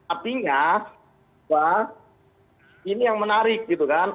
artinya bahwa ini yang menarik gitu kan